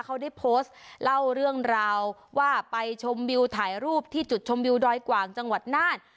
เขาได้โพสต์เล่าเรื่องราวว่าไปชมวิวถ่ายรูปที่จุดชมวิวดอยกว่างจังหวัดน่าน